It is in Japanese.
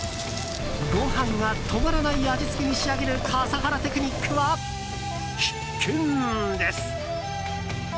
ご飯が止まらない味付けに仕上げる笠原テクニックは必見です。